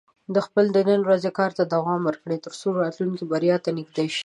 خپل د نن ورځې کار ته پام وکړه، ترڅو راتلونکې بریا ته نږدې شې.